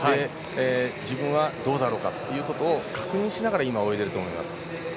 自分は、どうだろうかと確認しながら今、泳いでると思います。